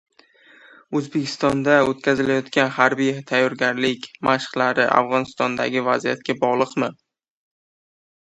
O‘zbekistonda o‘tkazilayotgan harbiy tayyorgarlik mashqlari Afg‘onistondagi vaziyatga bog‘liqmi?